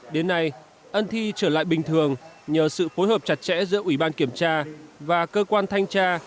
đến nay ân thi trở lại bình thường nhờ sự phối hợp chặt chẽ giữa ủy ban kiểm tra và cơ quan thanh tra